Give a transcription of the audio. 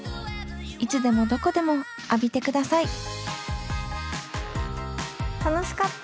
いつでもどこでも浴びてください楽しかった。